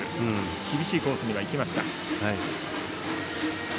厳しいコースにいきました。